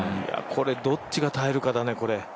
これ、どっちが耐えるかだね。